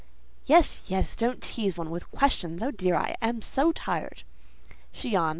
"Yes, yes: don't tease one with questions. Oh, dear! I am so tired." She yawned.